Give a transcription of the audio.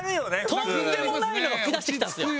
とんでもないのが噴き出してきたんですよ。